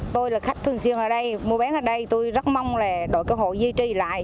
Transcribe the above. tôi là khách thường xuyên ở đây mua bán ở đây tôi rất mong là đội cứu hộ duy trì lại